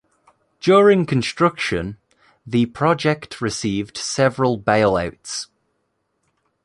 During construction, the project received several bailouts.